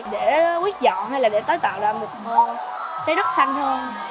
để quyết dọn hay là để tối tạo ra một môi xây đất xanh hơn